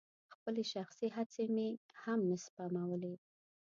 خپلې شخصي هڅې مې هم نه سپمولې.